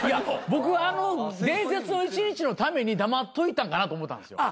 僕はあの『伝説の一日』のために黙っといたんかなと思ったんです。